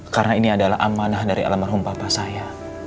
karena ini adalah amanah dari alam merhumpah saya